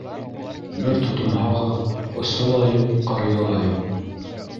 Бер тотонһағыҙ, осо ла юҡ, ҡырыйы ла юҡ.